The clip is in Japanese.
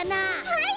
はい。